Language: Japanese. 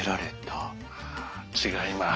違います。